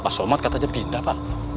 pak somad katanya pindah bang